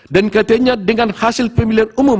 dan katanya dengan hasil pemilihan umum